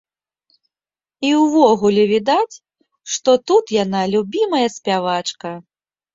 І ўвогуле відаць, што тут яна любімая спявачка.